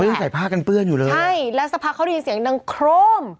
ยังใส่ผ้ากันเปื้อนอยู่เลยใช่แล้วสักพักเขาได้ยินเสียงดังโครม